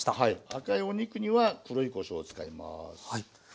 赤いお肉には黒いこしょうを使います。